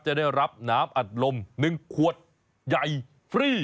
จะได้รับน้ำอัดลม๑ขวดใหญ่ฟรี